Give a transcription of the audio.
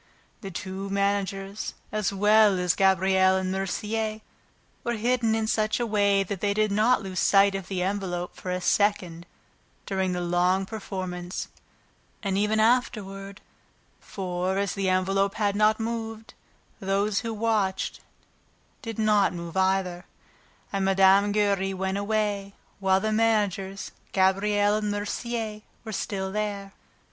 The two managers, as well as Gabriel and Mercier, were hidden in such a way that they did not lose sight of the envelope for a second during the performance and even afterward, for, as the envelope had not moved, those who watched it did not move either; and Mme. Giry went away while the managers, Gabriel and Mercier were still there.